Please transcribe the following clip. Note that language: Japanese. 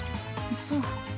そう。